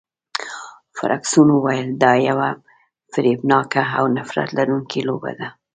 فرګوسن وویل، دا یوه فریبناکه او نفرت لرونکې لوبه ده.